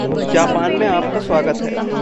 Japan में आपका स्वागत है।